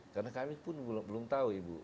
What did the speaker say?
karena kami pun belum tahu ibu